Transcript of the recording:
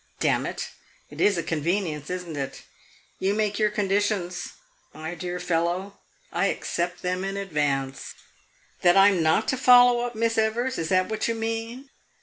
Damn it, it is a convenience, is n't it? You make your conditions. My dear fellow, I accept them in advance. That I 'm not to follow up Miss Evers is that what you mean?